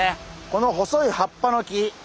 この細い葉っぱの木。